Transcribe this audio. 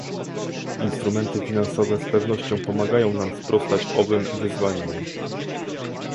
Instrumenty finansowe z pewnością pomagają nam sprostać owym wyzwaniom